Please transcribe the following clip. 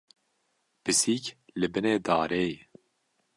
Pisîk li binê darê ye.